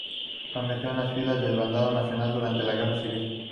Combatió en las filas del bando nacional durante la Guerra Civil.